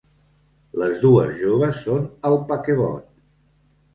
Les dues joves són al paquebot.